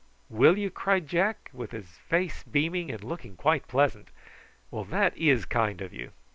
"Will you?" cried Jack, with his face beaming, and looking quite pleasant. "Well, that is kind of you.